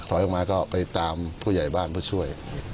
ถอยออกมาก็ไปตามผู้ใหญ่บ้านผู้ช่วย